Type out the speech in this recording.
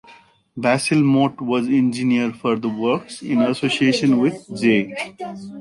Basil Mott was Engineer for the works, in association with J.